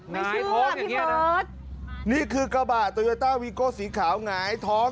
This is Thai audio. ไม่เชื่อพี่เบิร์ตนี่คือกระบะโตโยต้าวีโก้สีขาวหงายท้อง